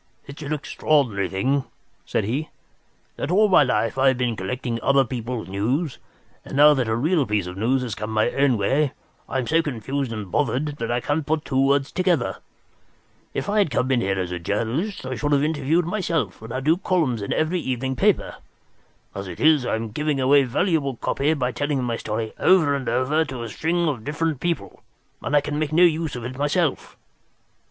"It's an extraordinary thing," said he, "that all my life I have been collecting other people's news, and now that a real piece of news has come my own way I am so confused and bothered that I can't put two words together. If I had come in here as a journalist, I should have interviewed myself and had two columns in every evening paper. As it is, I am giving away valuable copy by telling my story over and over to a string of different people, and I can make no use of it myself.